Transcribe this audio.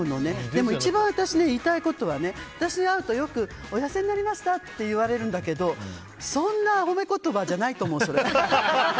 でも一番、私、言いたいことは私に会うと、よくお痩せになりました？って言われるんだけどそんな褒め言葉じゃないと思うそれ。